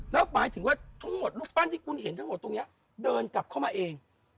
แล้วหมายถึงว่าทั้งหมดรูปปั้นที่คุณเห็นทั้งหมดตรงนี้เดินกลับเข้ามาเอง